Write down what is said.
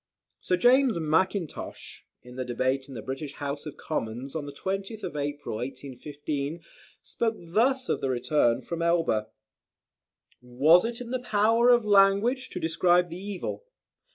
Sir James Mackintosh, in the debate in the British House of Commons, on the 20th April, 1815, spoke thus of the return from Elba: "Was it in the power of language to describe the evil.